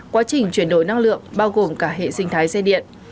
quá trình chuyển đổi năng lượng bao gồm cả hệ sinh thái xe điện